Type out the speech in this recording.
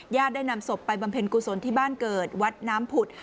ได้นำศพไปบำเพ็ญกุศลที่บ้านเกิดวัดน้ำผุด